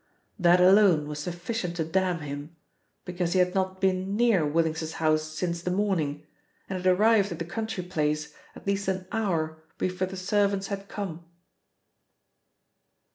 That alone was sufficient to damn him, because he had not been near Willings's house since the morning, and had arrived at the country place at least an hour before the servants had come."